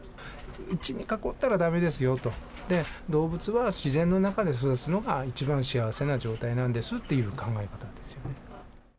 うちに囲ってはだめですよと、動物は自然の中で育つのが一番幸せな状態なんですっていう考え方ですよね。